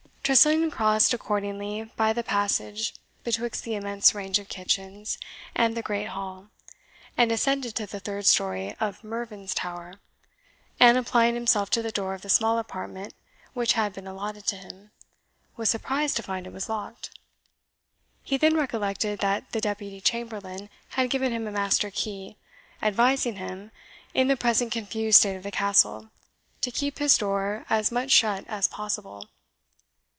Tressilian crossed accordingly by the passage betwixt the immense range of kitchens and the great hall, and ascended to the third story of Mervyn's Tower, and applying himself to the door of the small apartment which had been allotted to him, was surprised to find it was locked. He then recollected that the deputy chamberlain had given him a master key, advising him, in the present confused state of the Castle, to keep his door as much shut as possible.